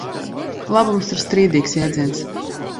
Labums ir strīdīgs jēdziens.